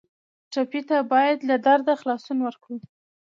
ټپي ته باید له درده خلاصون ورکړو.